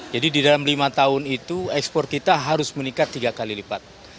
jadi di dalam lima tahun itu ekspor kita harus meningkat tiga kali lipat